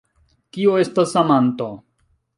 Kio estas amanto?